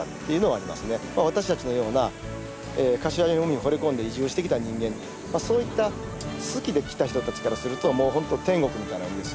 私たちのような柏島の海にほれ込んで移住してきた人間そういった好きで来た人たちからするともう本当天国みたいな海ですよね。